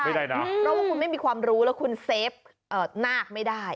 เพราะว่าคุณไม่มีความรู้แล้วคุณเซฟนากไม่ได้